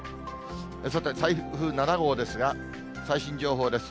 さて、台風７号ですが、最新情報です。